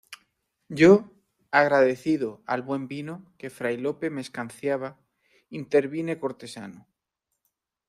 yo, agradecido al buen vino que Fray Lope me escanciaba, intervine cortesano: